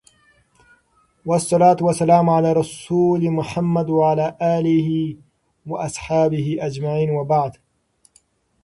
والصلوة والسلام على رسوله محمد وعلى اله واصحابه اجمعين وبعد